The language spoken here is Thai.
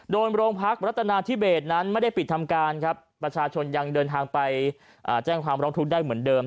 โดยโรงพักรัฐนาธิเบสนั้นไม่ได้ปิดทำการครับประชาชนยังเดินทางไปแจ้งความร้องทุกข์ได้เหมือนเดิม